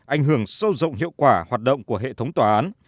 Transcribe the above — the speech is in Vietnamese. ảnh hưởng sâu rộng hiệu quả hoạt động của hệ thống tòa án